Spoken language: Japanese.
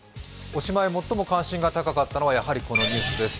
おしまいは最も関心が高かったのは、やはり、このニュースです。